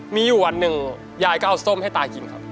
มีอยู่วันหนึ่งยายก็เอาส้มให้ตากินครับ